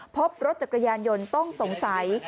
พบรถจักรยานยนต์ต้องสงสัย